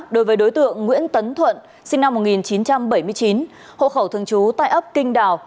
đối với đối tượng nguyễn tấn thuận sinh năm một nghìn chín trăm bảy mươi chín hộ khẩu thường trú tại ấp kinh đào